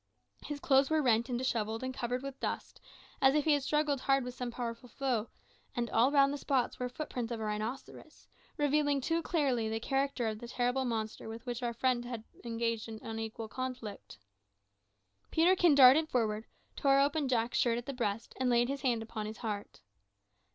His clothes were rent and dishevelled and covered with dust, as if he had struggled hard with some powerful foe, and all round the spot were footprints of a rhinoceros, revealing too clearly the character of the terrible monster with which our friend had engaged in unequal conflict. Peterkin darted forward, tore open Jack's shirt at the breast, and laid his hand upon his heart.